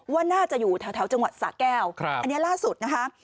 ว่าน่าจะอยู่แถวจังหวัดสะแก้วอันนี้ล่าสุดนะคะ